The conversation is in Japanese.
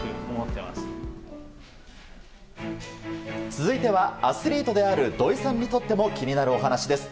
続いてはアスリートである土井さんにとっても気になるお話です。